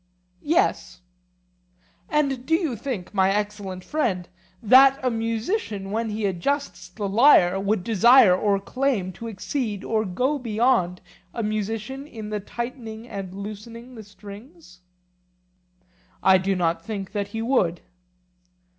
Yes. And do you think, my excellent friend, that a musician when he adjusts the lyre would desire or claim to exceed or go beyond a musician in the tightening and loosening the strings? I do not think that he would.